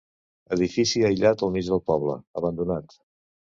Edifici aïllat al mig del poble, abandonat.